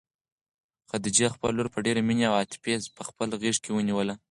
خدیجې خپله لور په ډېرې مینې او عاطفې په خپله غېږ کې ونیوله.